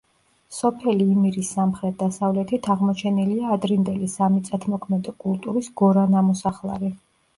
სოფელ იმირის სამხრეთ-დასავლეთით აღმოჩენილია ადრინდელი სამიწათმოქმედო კულტურის გორანამოსახლარი.